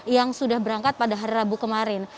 yang sudah berangkat pada hari rabu kemarin